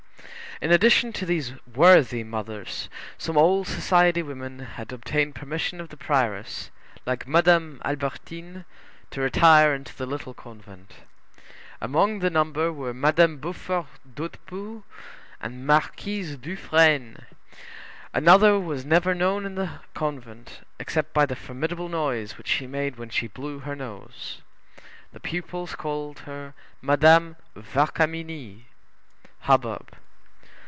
In addition to these worthy mothers, some old society women had obtained permission of the prioress, like Madame Albertine, to retire into the Little Convent. Among the number were Madame Beaufort d'Hautpoul and Marquise Dufresne. Another was never known in the convent except by the formidable noise which she made when she blew her nose. The pupils called her Madame Vacarmini (hubbub).